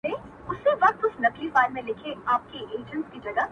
زاړه اثار فرهنګي ارزښت لري